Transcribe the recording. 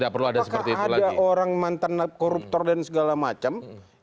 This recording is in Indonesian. apakah ada orang mantan koruptor dan segala macam